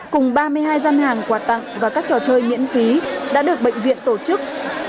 cùng ba mươi hai gian hàng quà tặng và các trò chơi miễn phí đã được bệnh viện tổ chức